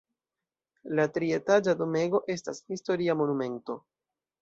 La trietaĝa domego estas historia monumento.